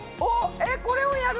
えっこれをやる？